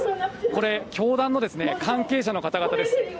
これ教団の関係者の方々です。